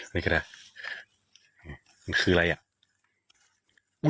นี่คืออะไร